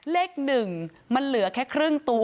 เลข๑มันเหลือแค่ครึ่งตัว